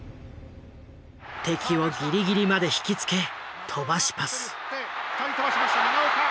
敵をギリギリまで引き付け飛ばしパス。